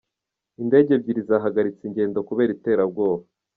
Indege ebyiri zahagaritse ingendo kubera iterabwoba